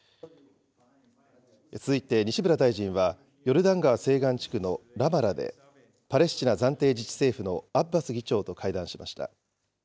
続いて、西村大臣はヨルダン川西岸地区のラマラで、パレスチナ暫定自治政府のアッバス議長と会談しました。